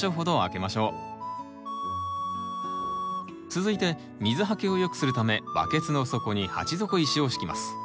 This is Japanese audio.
続いて水はけをよくするためバケツの底に鉢底石を敷きます。